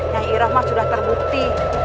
yang iroh sudah terbukti